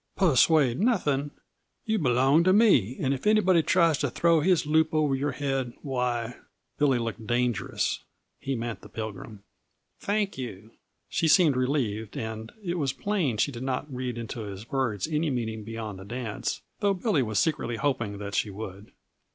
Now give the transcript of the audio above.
"Persuade nothing! Yuh belong to me, and if anybody tries to throw his loop over your head, why " Billy looked dangerous; he meant the Pilgrim. "Thank you." She seemed relieved, and it was plain she did not read into his words any meaning beyond the dance, though Billy was secretly hoping that she would.